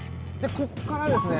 こっからですね